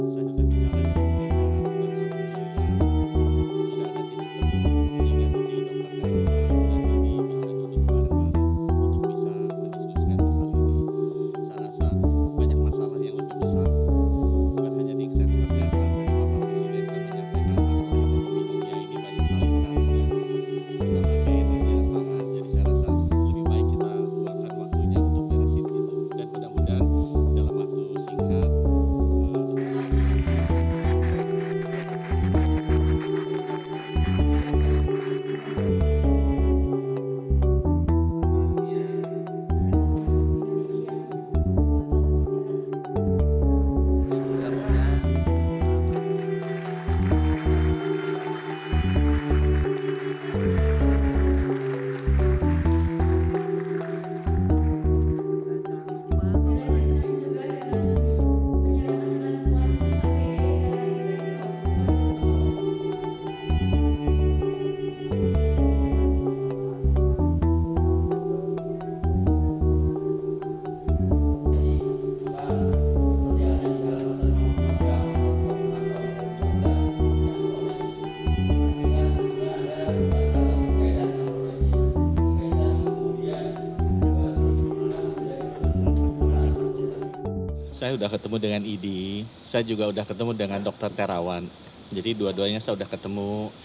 saya sudah ketemu dengan idi saya juga sudah ketemu dengan dokter perawan jadi dua duanya sudah ketemu